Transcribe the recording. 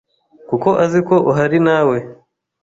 kuko aziko uhari nawe